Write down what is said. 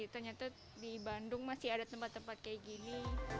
ternyata di bandung masih ada tempat tempat seperti ini